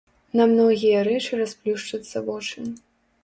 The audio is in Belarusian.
На многія рэчы расплюшчацца вочы.